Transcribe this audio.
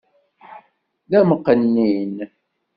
D amqennin!